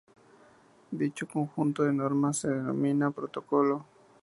Dicho conjunto de normas se denomina protocolo.